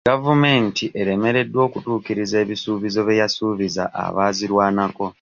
Gavumenti eremereddwa okutuukiriza ebisuubizo bye yasuubiza abaazirwanako.